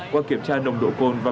qua kiểm tra nồng độ côn và ma sạch